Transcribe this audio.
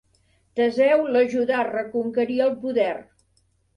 Teseu l'ajudà a reconquerir el poder.